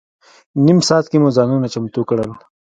نیم ساعت کې مو ځانونه چمتو کړل.